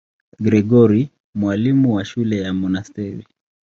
Gregori, mwalimu wa shule ya monasteri.